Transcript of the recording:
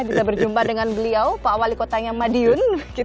bisa berjumpa dengan beliau pak wali kotanya madiun